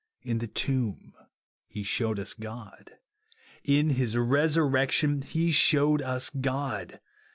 In the tomb he shewed us God. In his resurrection he shewed us God.